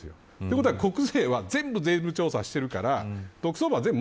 ということは、国税は全部税務調査しているから、特捜部は全部、。